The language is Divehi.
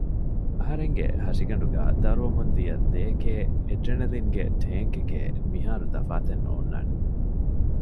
އަހަރެންގެ ހަށިގަނޑުގައި ދައުރުވަމުންދިޔަ ލެޔެކޭ އެޑްރަނެލިންގެ ޓޭންކެކޭ މިހާރު ތަފާތެއް ނޯންނާނެ